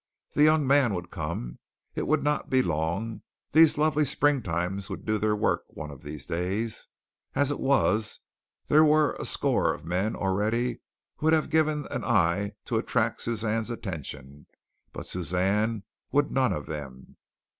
The young man would come. It would not be long. These lovely springtimes would do their work one of these days. As it was, there were a score of men already who would have given an eye to attract Suzanne's attention, but Suzanne would none of them.